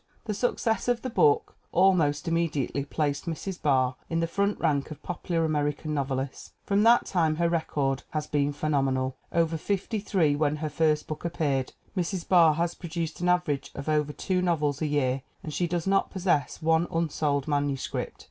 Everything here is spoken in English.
The success of this book almost immediately placed Mrs. Barr in the front rank of popular American novelists. From that time her record has been phenomenal. Over fifty three when her first book appeared, Mrs. Barr has produced an average of over two novels a year and she does not possess one unsold manuscript.